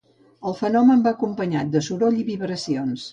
El fenomen va acompanyat de soroll i vibracions.